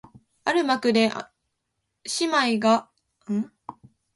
ある幕で姉娘が妹娘を慰めながら、「私はあなたを高く評価します」と言った